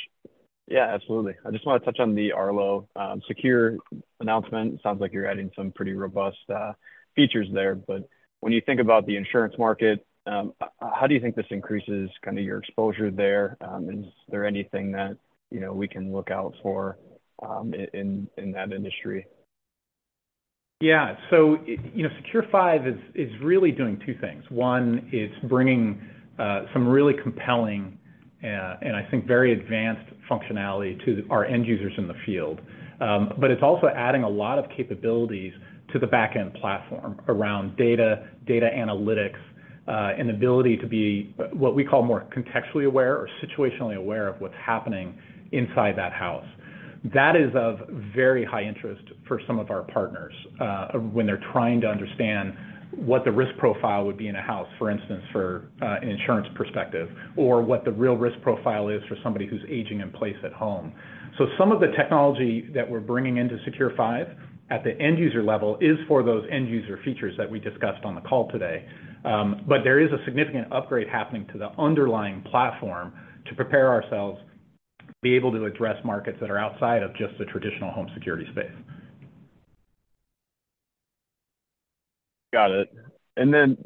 on the Arlo Secure announcement. Sounds like you're adding some pretty robust features there. But when you think about the insurance market, how do you think this increases kind of your exposure there? Is there anything that we can look out for in that industry?
Yeah, so Secure 5 is really doing two things. 1, it's bringing some really compelling and, I think, very advanced functionality to our end users in the field. But it's also adding a lot of capabilities to the backend platform around data, data analytics, and the ability to be what we call more contextually aware or situationally aware of what's happening inside that house. That is of very high interest for some of our partners when they're trying to understand what the risk profile would be in a house, for instance, from an insurance perspective, or what the real risk profile is for somebody who's aging in place at home. So some of the technology that we're bringing into Secure 5 at the end user level is for those end user features that we discussed on the call today. But there is a significant upgrade happening to the underlying platform to prepare ourselves to be able to address markets that are outside of just the traditional home security space. Got it. And then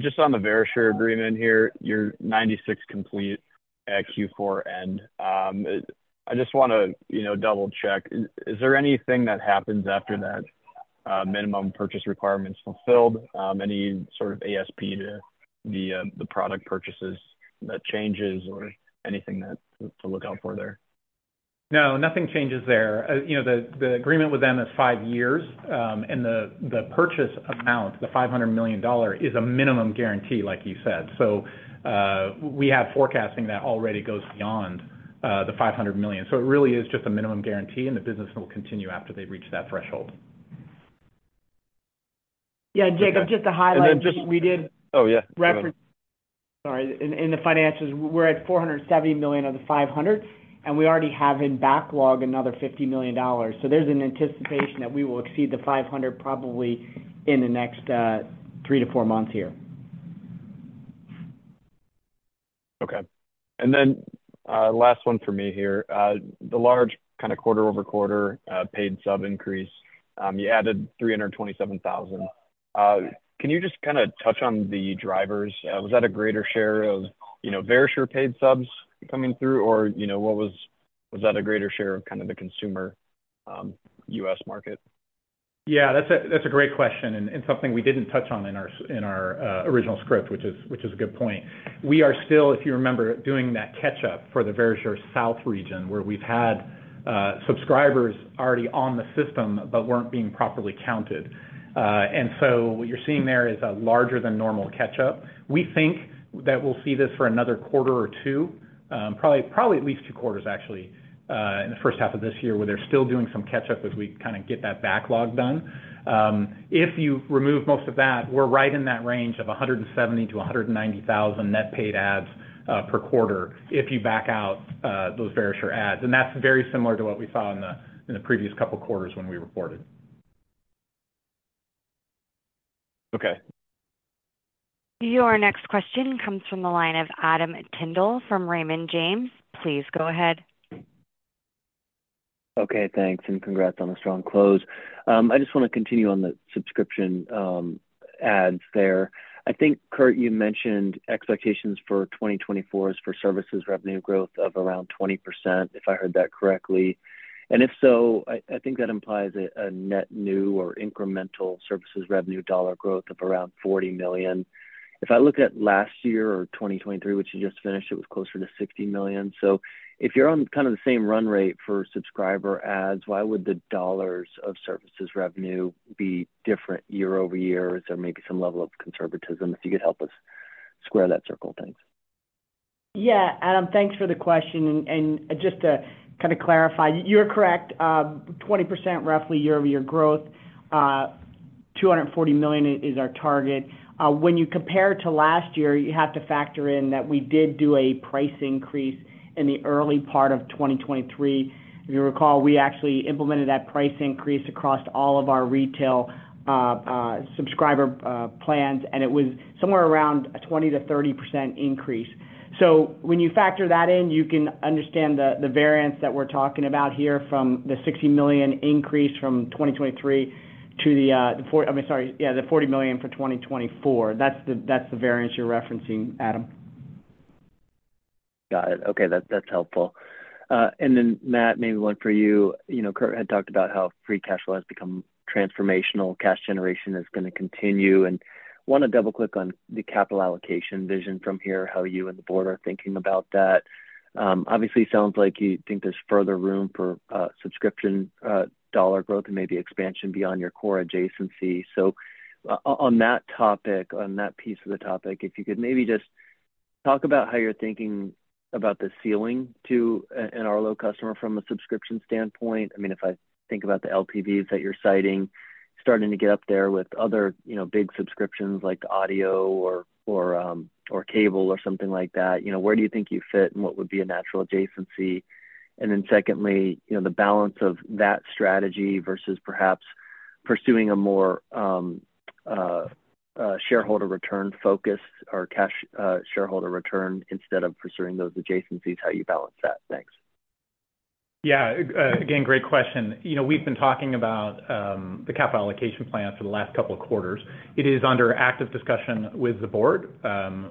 just on the Verisure agreement here, you're 96% complete at Q4 end. I just want to double-check. Is there anything that happens after that minimum purchase requirement's fulfilled? Any sort of ASP to the product purchases that changes or anything to look out for there? No, nothing changes there. The agreement with them is five years, and the purchase amount, the $500 million, is a minimum guarantee, like you said. So we have forecasting that already goes beyond the $500 million. So it really is just a minimum guarantee, and the business will continue after they reach that threshold.
Yeah, Jacob, just to highlight, we did reference. Oh, yeah. Sorry. In the finances, we're at $470 million of the $500 million, and we already have in backlog another $50 million. So there's an anticipation that we will exceed the $500 million probably in the next 3 months-4 months here.
Okay. And then last one for me here, the large kind of quarter-over-quarter paid sub increase, you added 327,000. Can you just kind of touch on the drivers? Was that a greater share of Verisure paid subs coming through, or was that a greater share of kind of the consumer U.S. market?
Yeah, that's a great question and something we didn't touch on in our original script, which is a good point. We are still, if you remember, doing that catch-up for the Verisure south region where we've had subscribers already on the system but weren't being properly counted. And so what you're seeing there is a larger-than-normal catch-up. We think that we'll see this for another quarter or two, probably at least two quarters, actually, in the first half of this year where they're still doing some catch-up as we kind of get that backlog done. If you remove most of that, we're right in that range of 170,000-190,000 net paid adds per quarter if you back out those Verisure adds. That's very similar to what we saw in the previous couple of quarters when we reported.
Okay.
Your next question comes from the line of Adam Tindle from Raymond James. Please go ahead.
Okay, thanks, and congrats on a strong close. I just want to continue on the subscription adds there. I think, Kurt, you mentioned expectations for 2024 is for services revenue growth of around 20%, if I heard that correctly. And if so, I think that implies a net new or incremental services revenue dollar growth of around $40 million. If I look at last year or 2023, which you just finished, it was closer to $60 million. So if you're on kind of the same run rate for subscriber adds, why would the dollars of services revenue be different year over year? Is there maybe some level of conservatism? If you could help us square that circle, thanks.
Yeah, Adam, thanks for the question. And just to kind of clarify, you're correct. 20% roughly year-over-year growth, $240 million is our target. When you compare to last year, you have to factor in that we did do a price increase in the early part of 2023. If you recall, we actually implemented that price increase across all of our retail subscriber plans, and it was somewhere around a 20%-30% increase. So when you factor that in, you can understand the variance that we're talking about here from the $60 million increase from 2023 to the, I mean, sorry, yeah, the $40 million for 2024. That's the variance you're referencing, Adam.
Got it. Okay, that's helpful. And then, Matt, maybe one for you. Kurt had talked about how free cash flow has become transformational. Cash generation is going to continue. And want to double-click on the capital allocation vision from here, how you and the board are thinking about that. Obviously, it sounds like you think there's further room for subscription dollar growth and maybe expansion beyond your core adjacency. So on that topic, on that piece of the topic, if you could maybe just talk about how you're thinking about the ceiling to an Arlo customer from a subscription standpoint. I mean, if I think about the LTVs that you're citing, starting to get up there with other big subscriptions like audio or cable or something like that, where do you think you fit, and what would be a natural adjacency? And then secondly, the balance of that strategy versus perhaps pursuing a more shareholder return focus or cash shareholder return instead of pursuing those adjacencies, how you balance that? Thanks.
Yeah, again, great question. We've been talking about the capital allocation plan for the last couple of quarters. It is under active discussion with the board.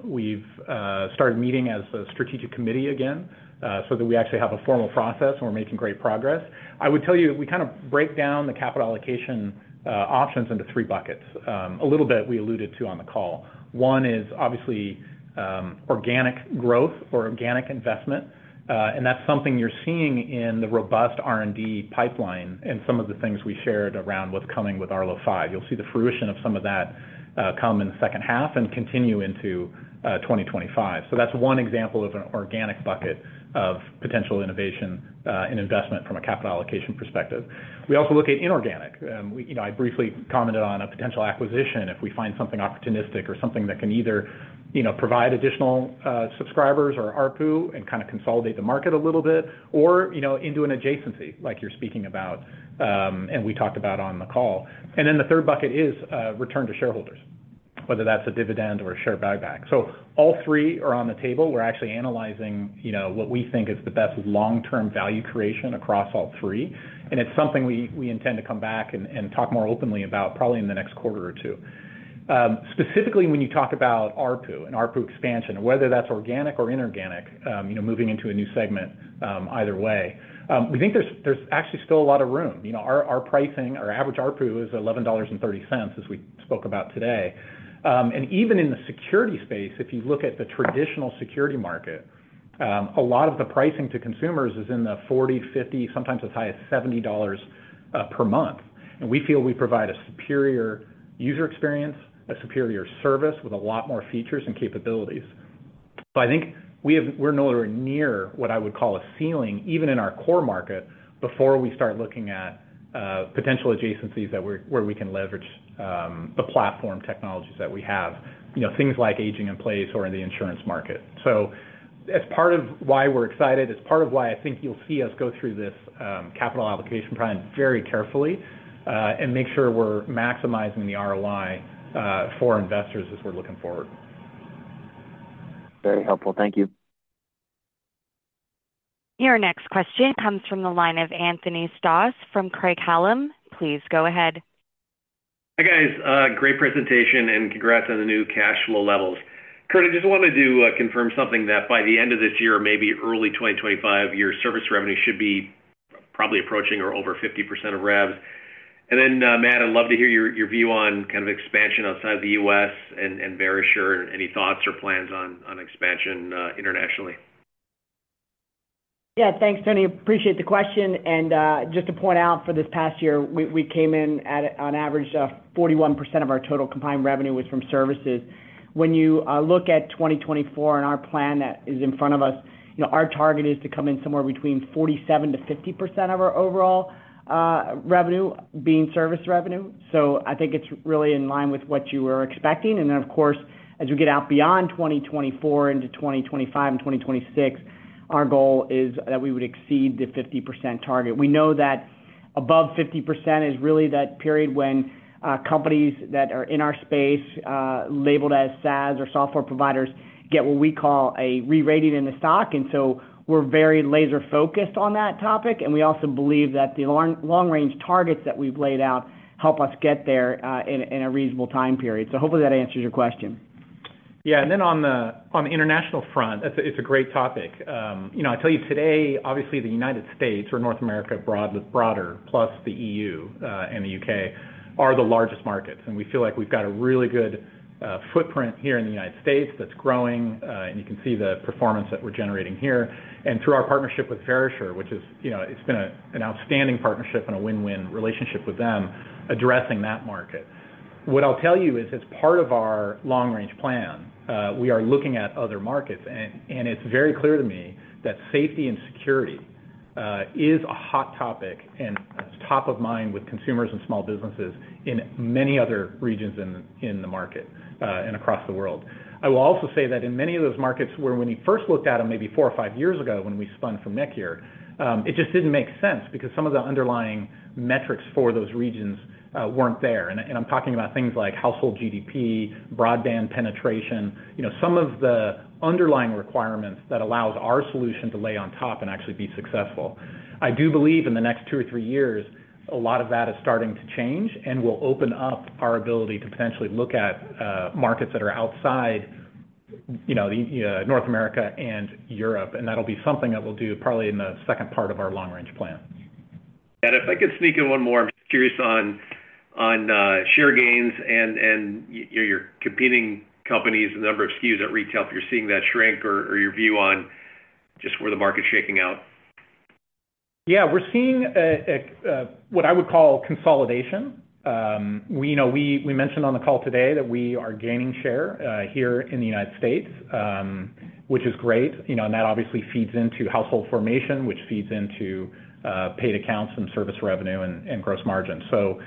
We've started meeting as a strategic committee again so that we actually have a formal process, and we're making great progress. I would tell you we kind of break down the capital allocation options into three buckets, a little bit we alluded to on the call. One is obviously organic growth or organic investment, and that's something you're seeing in the robust R&D pipeline and some of the things we shared around what's coming with Arlo 5. You'll see the fruition of some of that come in the second half and continue into 2025. So that's one example of an organic bucket of potential innovation and investment from a capital allocation perspective. We also look at inorganic. I briefly commented on a potential acquisition if we find something opportunistic or something that can either provide additional subscribers or ARPU and kind of consolidate the market a little bit or into an adjacency like you're speaking about and we talked about on the call. Then the third bucket is return to shareholders, whether that's a dividend or a share buyback. So all three are on the table. We're actually analyzing what we think is the best long-term value creation across all three, and it's something we intend to come back and talk more openly about probably in the next quarter or two. Specifically, when you talk about ARPU and ARPU expansion, whether that's organic or inorganic, moving into a new segment either way, we think there's actually still a lot of room. Our pricing, our average ARPU is $11.30, as we spoke about today. And even in the security space, if you look at the traditional security market, a lot of the pricing to consumers is in the $40, $50, sometimes as high as $70 per month. And we feel we provide a superior user experience, a superior service with a lot more features and capabilities. So I think we're nowhere near what I would call a ceiling, even in our core market, before we start looking at potential adjacencies where we can leverage the platform technologies that we have, things like aging in place or in the insurance market. So that's part of why we're excited. It's part of why I think you'll see us go through this capital allocation plan very carefully and make sure we're maximizing the ROI for investors as we're looking forward.
Very helpful. Thank you.
Your next question comes from the line of Anthony Stoss from Craig-Hallum. Please go ahead.
Hey, guys. Great presentation, and congrats on the new cash flow levels. Kurt, I just wanted to confirm something that by the end of this year, maybe early 2025, your service revenue should be probably approaching or over 50% of revs. And then, Matt, I'd love to hear your view on kind of expansion outside of the U.S. and Verisure and any thoughts or plans on expansion internationally.
Yeah, thanks, Tony. Appreciate the question. And just to point out, for this past year, we came in at on average, 41% of our total combined revenue was from services. When you look at 2024 and our plan that is in front of us, our target is to come in somewhere between 47%-50% of our overall revenue being service revenue. So I think it's really in line with what you were expecting. And then, of course, as we get out beyond 2024 into 2025 and 2026, our goal is that we would exceed the 50% target. We know that above 50% is really that period when companies that are in our space, labeled as SaaS or software providers, get what we call a rerating in the stock. And so we're very laser-focused on that topic, and we also believe that the long-range targets that we've laid out help us get there in a reasonable time period. So hopefully, that answers your question.
Yeah, and then on the international front, it's a great topic. I tell you, today, obviously, the United States or North America broader, plus the E.U. and the U.K., are the largest markets. And we feel like we've got a really good footprint here in the United States that's growing, and you can see the performance that we're generating here. And through our partnership with Verisure, which has been an outstanding partnership and a win-win relationship with them, addressing that market. What I'll tell you is, as part of our long-range plan, we are looking at other markets, and it's very clear to me that safety and security is a hot topic and top of mind with consumers and small businesses in many other regions in the market and across the world. I will also say that in many of those markets where when we first looked at them maybe four or five years ago when we spun from NETGEAR, it just didn't make sense because some of the underlying metrics for those regions weren't there. And I'm talking about things like household GDP, broadband penetration, some of the underlying requirements that allows our solution to lay on top and actually be successful. I do believe in the next 2 or 3 years, a lot of that is starting to change and will open up our ability to potentially look at markets that are outside North America and Europe. That'll be something that we'll do probably in the second part of our long-range plan. If I could sneak in one more, I'm just curious on share gains and your competing companies, the number of SKUs at retail, if you're seeing that shrink or your view on just where the market's shaking out. Yeah, we're seeing what I would call consolidation. We mentioned on the call today that we are gaining share here in the United States, which is great. That obviously feeds into household formation, which feeds into paid accounts and service revenue and gross margin. So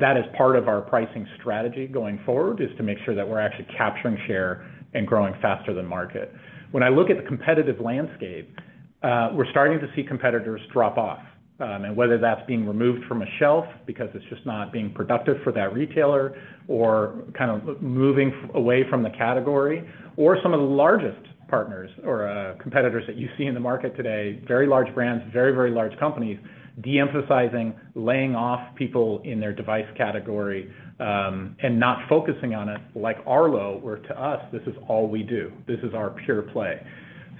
that is part of our pricing strategy going forward is to make sure that we're actually capturing share and growing faster than market. When I look at the competitive landscape, we're starting to see competitors drop off. And whether that's being removed from a shelf because it's just not being productive for that retailer or kind of moving away from the category or some of the largest partners or competitors that you see in the market today, very large brands, very, very large companies, deemphasizing, laying off people in their device category, and not focusing on it like Arlo where to us, this is all we do. This is our pure play.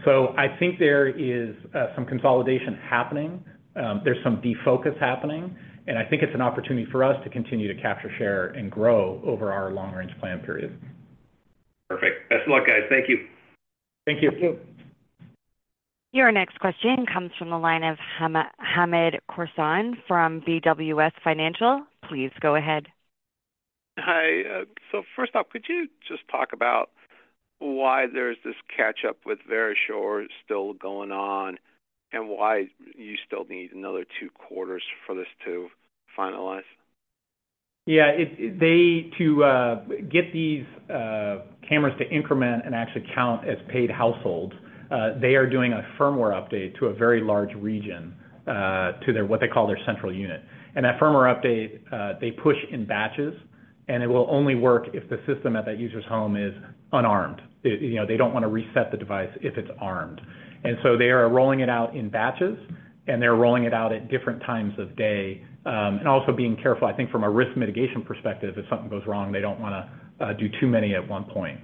So I think there is some consolidation happening. There's some defocus happening, and I think it's an opportunity for us to continue to capture share and grow over our long-range plan period.
Perfect. Best of luck, guys. Thank you.
Thank you.
Your next question comes from the line of Hamed Khorsand from BWS Financial. Please go ahead.
Hi. So first off, could you just talk about why there's this catch-up with Verisure still going on and why you still need another two quarters for this to finalize?
Yeah, to get these cameras to increment and actually count as paid households, they are doing a firmware update to a very large region, what they call their central unit. And that firmware update, they push in batches, and it will only work if the system at that user's home is unarmed. They don't want to reset the device if it's armed. And so they are rolling it out in batches, and they're rolling it out at different times of day and also being careful, I think, from a risk mitigation perspective. If something goes wrong, they don't want to do too many at one point.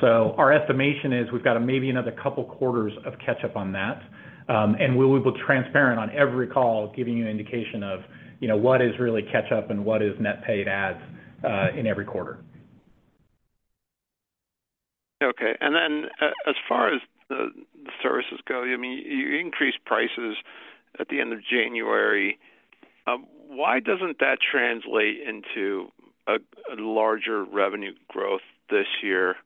So our estimation is we've got maybe another couple quarters of catch-up on that. And we'll be transparent on every call, giving you an indication of what is really catch-up and what is net paid ads in every quarter. Okay. And then as far as the services go, I mean, you increased prices at the end of January. Why doesn't that translate into a larger revenue growth this year?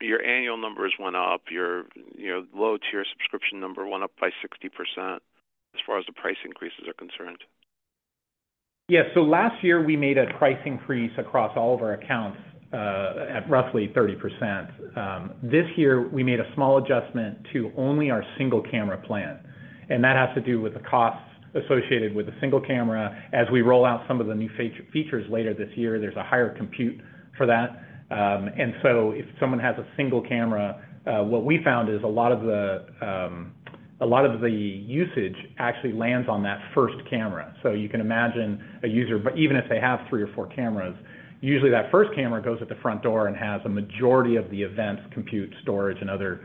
Your annual numbers went up. Your low-tier subscription number went up by 60% as far as the price increases are concerned. Yeah. So last year, we made a price increase across all of our accounts at roughly 30%. This year, we made a small adjustment to only our single-camera plan. And that has to do with the costs associated with the single camera. As we roll out some of the new features later this year, there's a higher compute for that. And so if someone has a single camera, what we found is a lot of the usage actually lands on that first camera. So you can imagine a user, even if they have three or four cameras, usually that first camera goes at the front door and has a majority of the events, compute, storage, and other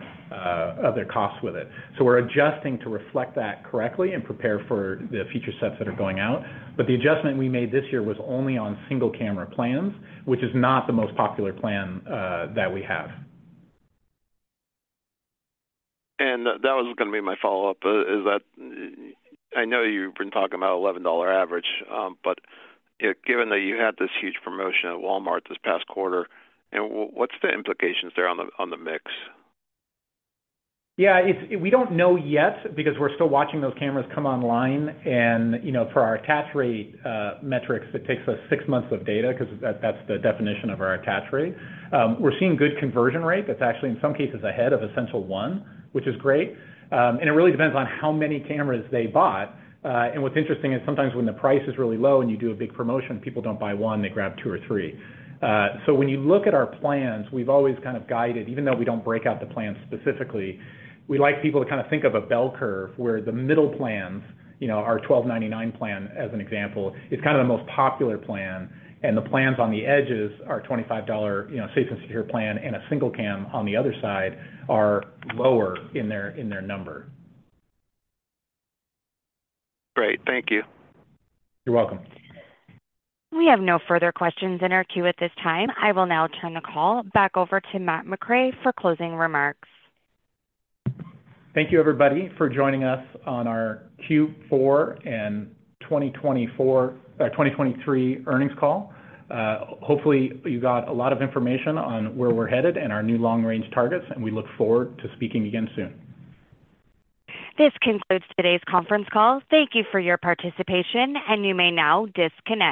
costs with it. So we're adjusting to reflect that correctly and prepare for the feature sets that are going out. But the adjustment we made this year was only on single-camera plans, which is not the most popular plan that we have.
And that was going to be my follow-up. I know you've been talking about a $11 average, but given that you had this huge promotion at Walmart this past quarter, what's the implications there on the mix?
Yeah, we don't know yet because we're still watching those cameras come online. And for our attach rate metrics, it takes us six months of data because that's the definition of our attach rate. We're seeing good conversion rate. That's actually, in some cases, ahead of Essential 1, which is great. And it really depends on how many cameras they bought. And what's interesting is sometimes when the price is really low and you do a big promotion, people don't buy one. They grab two or three. So when you look at our plans, we've always kind of guided, even though we don't break out the plans specifically, we like people to kind of think of a bell curve where the middle plans, our $12.99 plan, as an example, is kind of the most popular plan. And the plans on the edges, our $25 Safe and Secure plan and a single cam on the other side, are lower in their number.
Great. Thank you.
You're welcome.
We have no further questions in our queue at this time. I will now turn the call back over to Matt McRae for closing remarks.
Thank you, everybody, for joining us on our Q4 and 2023 earnings call. Hopefully, you got a lot of information on where we're headed and our new long-range targets, and we look forward to speaking again soon.
This concludes today's conference call. Thank you for your participation, and you may now disconnect.